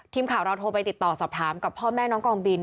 ทีมข่าวเราโทรไปติดต่อสอบถามกับพ่อแม่น้องกองบิน